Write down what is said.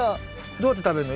どうやって食べるの？